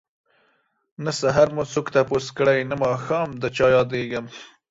نه سحر مو څوک تپوس کړي نه ماښام ده چه ياديږم